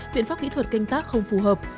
viện pháp kỹ thuật canh tác không phù hợp